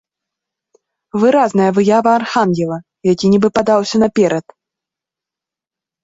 Выразная выява архангела, які нібы падаўся наперад.